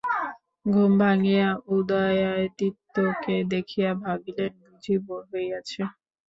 ঘুম ভাঙিয়াই উদয়াদিত্যকে দেখিয়া ভাবিলেন, বুঝি ভোর হইয়াছে।